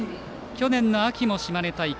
去年の秋も島根大会